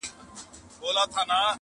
خزانې د سردارانو يې وهلې،